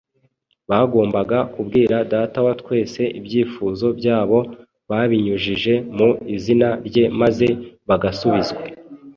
Bagombaga kubwira Data wa Twese ibyifuzo byabo babinyujije mu izina rye maze bagasubizwa